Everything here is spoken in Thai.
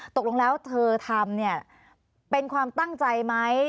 ตกลงแล้วเธอทำเนี่ยเป็นความตั้งใจไหม